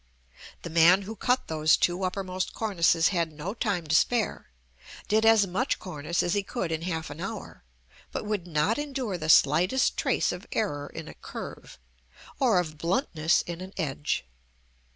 The man who cut those two uppermost cornices had no time to spare: did as much cornice as he could in half an hour; but would not endure the slightest trace of error in a curve, or of bluntness in an edge.